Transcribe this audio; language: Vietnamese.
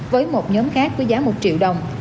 với một nhóm khác với giá một triệu đồng